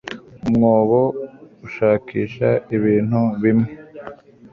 umwobo ushakisha ibintu bimwe